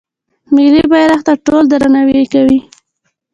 ملي بیرغ ته ټول درناوی کوي.